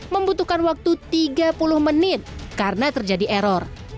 membutuhkan waktu tiga puluh menit karena terjadi error